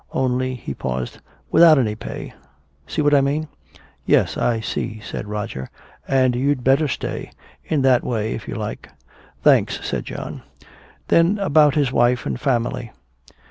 Only " he paused "without any pay. See what I mean?" "Yes, I see," said Roger. "And you'd better stay in that way if you like." "Thanks," said John. "Then about his wife and family.